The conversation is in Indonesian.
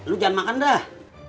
lu jangan makan dah